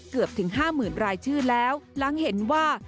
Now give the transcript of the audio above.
เกือบถึง๕๐๐๐รายชื่อแล้วหลังเห็นว่า